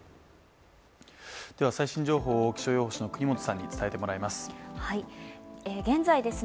最新情報を気象予報士の國本さんに伝えてもらいます。